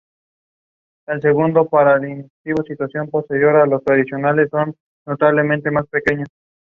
Populist rhetoric was often used by opposition parties.